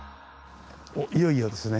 おっいよいよですね。